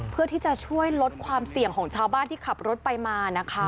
เพื่อที่จะช่วยลดความเสี่ยงของชาวบ้านที่ขับรถไปมานะคะ